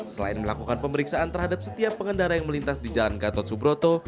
selain melakukan pemeriksaan terhadap setiap pengendara yang melintas di jalan gatot subroto